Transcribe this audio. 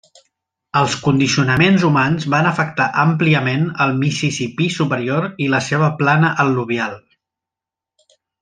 Els condicionaments humans van afectar àmpliament el Mississipí superior i la seva plana al·luvial.